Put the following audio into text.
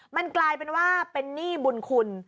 มันกลายเป็นว่าเป็นหนี้บุญคุณ